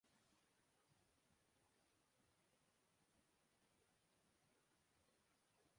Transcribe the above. তিনি প্রথম সারির একজন বামপন্থী নেতা হিসাবে গণ্য হন।